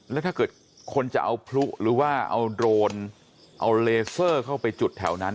แล้วถ้าเกิดคนจะเอาพลุหรือว่าเอาโดรนเอาเลเซอร์เข้าไปจุดแถวนั้น